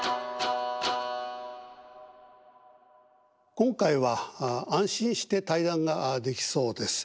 今回は安心して対談ができそうです。